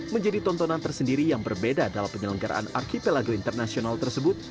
menjadi tontonan tersendiri yang berbeda dalam penyelenggaraan archipelago internasional tersebut